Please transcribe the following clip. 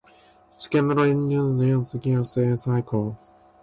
Secondly, permafrost plays a crucial role in the carbon cycle.